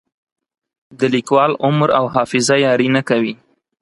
د لیکوال عمر او حافظه یاري نه کوي.